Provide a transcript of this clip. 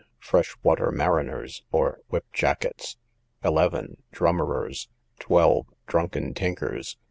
Fresh Water Mariner's or Whip Jackets. 11. Drummerers. 12. Drunken Tinkers.